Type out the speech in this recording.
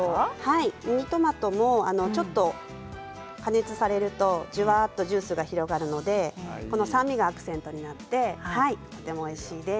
ミニトマトもちょっと加熱されるとじゅわっとジュースが広がるので酸味がアクセントになってとてもおいしいです。